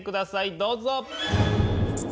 どうぞ。